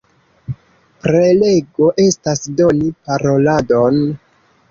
Prelego estas doni paroladon.